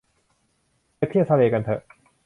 ไปเที่ยวทะเลกันเถอะ